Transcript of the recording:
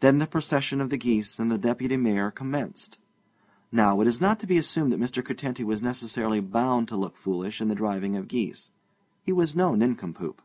Then the procession of the geese and the Deputy Mayor commenced. Now, it is not to be assumed that Mr. Curtenty was necessarily bound to look foolish in the driving of geese. He was no nincompoop.